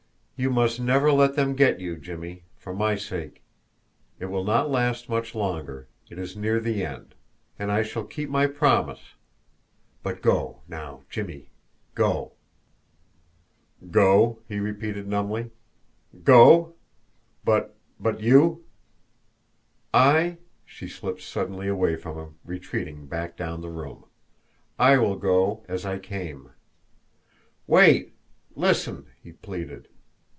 "You must never let them get you, Jimmie for my sake. It will not last much longer it is near the end and I shall keep my promise. But go, now, Jimmie go!" "Go?" he repeated numbly. "Go? But but you?" "I?" She slipped suddenly away from him, retreating back down the room. "I will go as I came." "Wait! Listen!" he pleaded.